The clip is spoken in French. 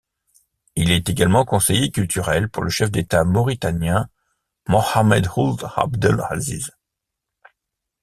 Il est également conseiller culturel pour le chef d'État mauritanien Mohamed Ould Abdel Aziz.